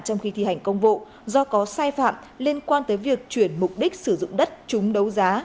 trong khi thi hành công vụ do có sai phạm liên quan tới việc chuyển mục đích sử dụng đất trúng đấu giá